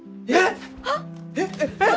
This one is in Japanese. えっ！？